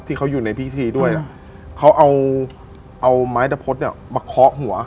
ที่เขาอยู่ในพิธีด้วยนะเขาเอาเอาไม้ตะพดเนี่ยมาเคาะหัว